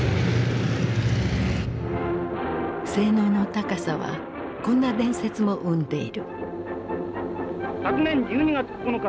性能の高さはこんな伝説も生んでいる。